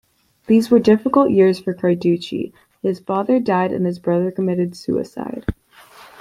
These were difficult years for Carducci: his father died, and his brother committed suicide.